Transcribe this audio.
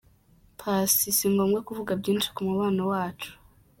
Paccy : Si ngombwa kuvuga byinshi ku mubano wacu.